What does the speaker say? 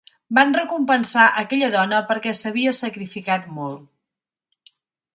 Van recompensar aquella dona perquè s'havia sacrificat molt.